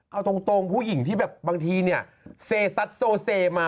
เอาตรงผู้หญิงที่บางทีเซซัสโซเซมา